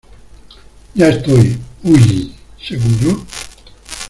ya estoy. ¡ uy! ¿ seguro?